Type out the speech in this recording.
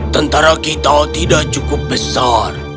tentara kita tidak cukup besar